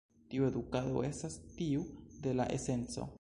Tiu edukado estas tiu de la esenco.